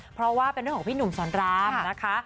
เพราะว่าเป็นเรื่องของพี่หนุ่มสอนรามนะคะ